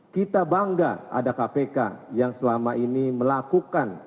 kita bangga ada kpk yang selama ini melakukan